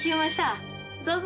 どうぞ。